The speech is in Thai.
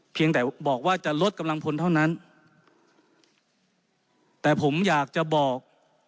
เพียงแต่บอกว่าจะลดกำลังพลเท่านั้นแต่ผมอยากจะบอก